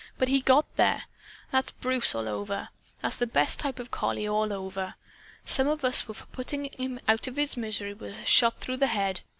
But he GOT there. That's Bruce, all over. That's the best type of collie, all over. Some of us were for putting him out of his misery with a shot through the head.